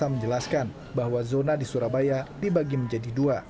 menjelaskan bahwa zona di surabaya dibagi menjadi dua